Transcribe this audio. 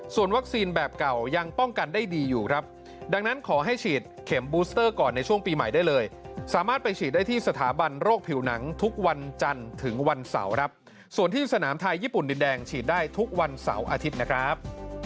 ส่วนวัคซีนแบบเก่ายังป้องกันได้ดีอยู่ครับดังนั้นขอให้ฉีดเข็มบูสเตอร์ก่อนในช่วงปีใหม่ได้เลยสามารถไปฉีดได้ที่สถาบันโรคผิวหนังทุกวันจันทร์ถึงวันเสาร์ครับส่วนที่สนามไทยญี่ปุ่นดินแดงฉีดได้ทุกวันเสาร์อาทิตย์นะครับ